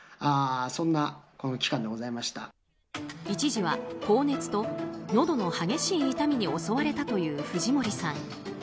一時は高熱とのどの激しい痛みに襲われたという藤森さん。